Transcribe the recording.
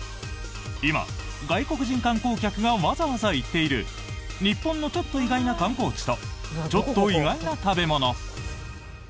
今、外国人観光客がわざわざ行っている日本のちょっと意外な観光地とちょっと意外な食べ物。